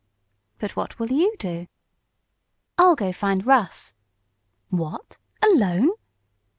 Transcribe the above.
"But what will you do?" "I'll go find Russ." "What! Alone?"